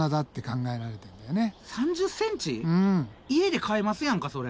家で飼えますやんかそれ。